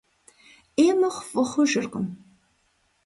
Е мыхъу фӀы хъужыркъым.